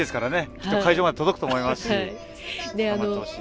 きっと会場まで届くと思いますし頑張ってほしい。